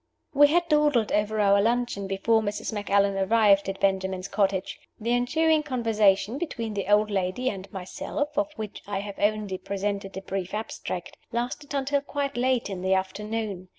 WE had dawdled over our luncheon before Mrs. Macallan arrived at Benjamin's cottage. The ensuing conversation between the old lady and myself (of which I have only presented a brief abstract) lasted until quite late in the afternoon.